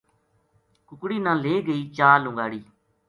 ککڑی نا لے گئی چا لنگاڑی